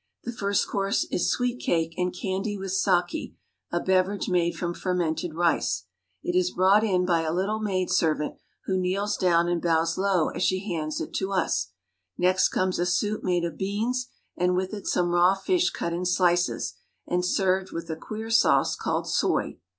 The first course is sweet cake and candy with sake, a beverage made from fermented rice. It is brought "The rice is brought in ".^^^^^.^^^^ maidservant, who kneels down and bows low as she hands it to us. Next comes a soup made of beans, and with it some raw fish cut in slices, and served with a queer sauce called soy.